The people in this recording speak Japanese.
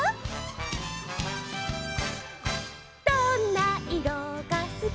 「どんないろがすき」「」